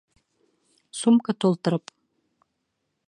Сумка тултырып.